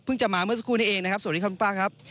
จะมาเมื่อสักครู่นี้เองนะครับสวัสดีครับคุณป้าครับ